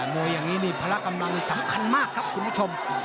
มวยอย่างนี้นี่พละกำลังนี่สำคัญมากครับคุณผู้ชม